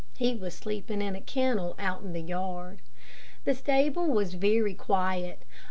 He was sleeping in a kennel, out in the yard. The stable was very quiet.